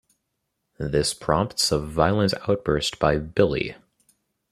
This prompts a violent outburst by Billy.